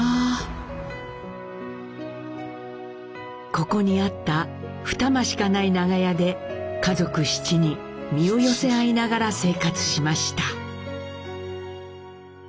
ここにあった２間しかない長屋で家族７人身を寄せ合いながら生活しました。